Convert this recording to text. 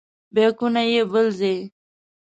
بیکونه یې بل ځای.